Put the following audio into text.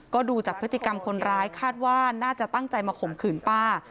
ก็ดูจากพฤติกรรมคนร้ายคาดว่าน่าจะตั้งใจมาข่มขืนป้า